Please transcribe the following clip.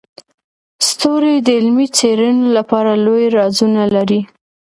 ستوري د علمي څیړنو لپاره لوی رازونه لري.